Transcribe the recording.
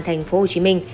thành phố hồ chí minh